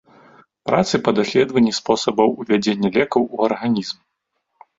Працы па даследаванні спосабаў увядзення лекаў у арганізм.